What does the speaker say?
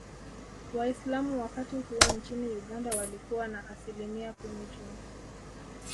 Waislamu wakati huo nchini Uganda walikuwa na Asilimia kumi tu